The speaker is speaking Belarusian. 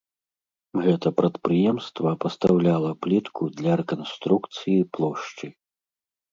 Гэта прадпрыемства пастаўляла плітку для рэканструкцыі плошчы.